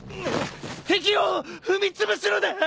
敵を踏みつぶすのだ！